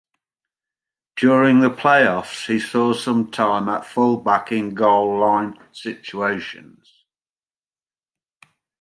During the playoffs, he saw some time at fullback in goal line situations.